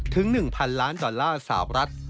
ถึง๑๐๐๐ล้านดอลลาร์สาวรัฐ